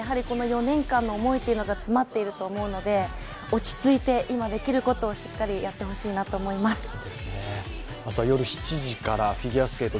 この４年間の思いが詰まっていると思うので落ち着いて、今できることをしっかりやってほしいなと思います。